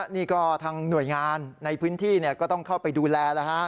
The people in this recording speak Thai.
นี่ก็ทางหน่วยงานในพื้นที่ก็ต้องเข้าไปดูแล